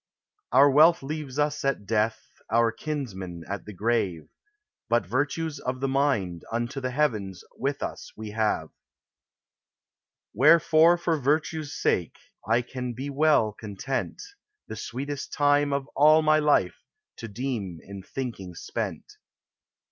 Our wealth leaves us at death, our kinsmen at the grave ; But virtues of the mind unto the heavens with us we have: Wherefor, for Virtue's sake, I can be well content The sweetest time of all my life to deem in thinking spent.